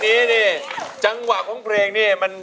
เทมพลวยของเพลงไฟฟ้า